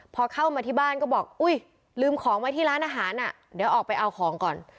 พอเข้ามาที่บ้านก็บอกอุ้ยลืมของไว้ที่ร้านอาหารอ่ะเดี๋ยวออกไปเอาของก่อน